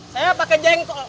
saya pakai jengkuk